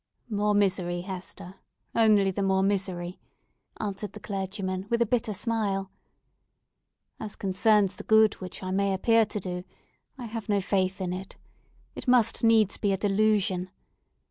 "More misery, Hester!—Only the more misery!" answered the clergyman with a bitter smile. "As concerns the good which I may appear to do, I have no faith in it. It must needs be a delusion.